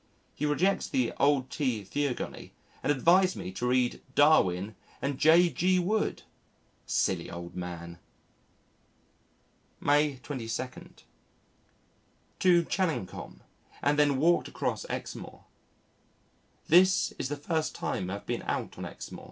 He rejects the Old T. theogony and advised me to read "Darwin and J.G. Wood!" Silly old man! May 22. To Challacombe and then walked across Exmoor. This is the first time I have been on Exmoor.